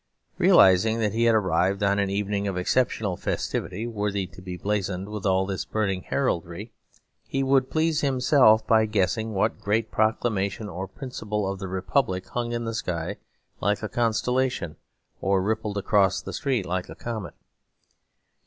Realising that he had arrived on an evening of exceptional festivity, worthy to be blazoned with all this burning heraldry, he would please himself by guessing what great proclamation or principle of the Republic hung in the sky like a constellation or rippled across the street like a comet.